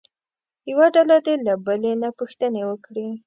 یوه ډله دې له بلې نه پوښتنې وکړي.